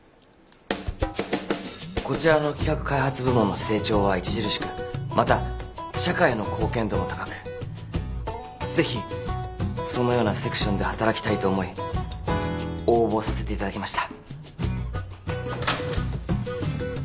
こちらの企画開発部門の成長は著しくまた社会への貢献度も高くぜひそのようなセクションで働きたいと思い応募させていただきました。